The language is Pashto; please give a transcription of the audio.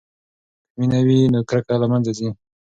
که مینه وي نو کرکه له منځه ځي.